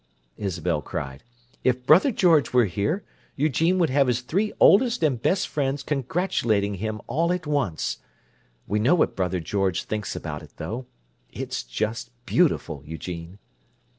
Isabel cried. "If brother George were here, Eugene would have his three oldest and best friends congratulating him all at once. We know what brother George thinks about it, though. It's just beautiful, Eugene!"